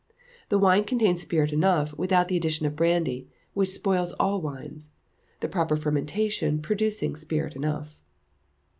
The wine contains spirit enough without the addition of brandy, which spoils all wines; a proper fermentation producing spirit enough.